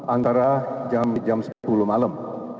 antara jam sepuluh malam